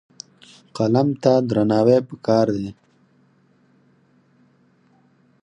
قلم ته درناوی پکار دی.